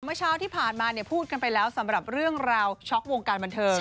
เมื่อเช้าที่ผ่านมาเนี่ยพูดกันไปแล้วสำหรับเรื่องราวช็อกวงการบันเทิง